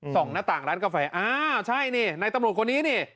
หน้าต่างร้านกาแฟอ้าวใช่นี่ในตำรวจคนนี้นี่